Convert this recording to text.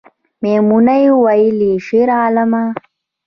میمونۍ ویلې شیرعالمه